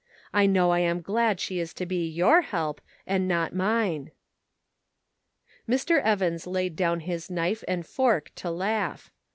I know I am glad she is to be your help, and not mine." Mr. Evans laid down his knife and fork to laugh.